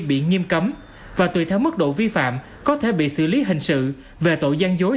bị nghiêm cấm và tùy theo mức độ vi phạm có thể bị xử lý hình sự về tội gian dối